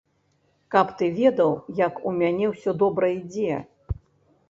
Каб ты ведаў, як у мяне ўсё добра ідзе!